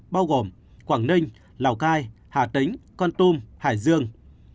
bao gồm quảng ninh lào cai hà tĩnh con tum hải dương